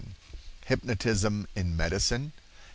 Hypnotism in Medicine.